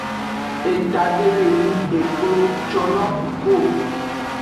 Eta de li yi eklo conno kuku o.